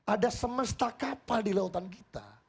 ada semesta kapal di lautan kita